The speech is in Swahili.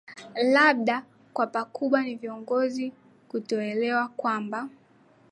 labda kwa pakubwa ni viongozi kutoelewa kwamba